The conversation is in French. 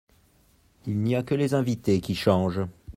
Il n'y a que les invités qui changent.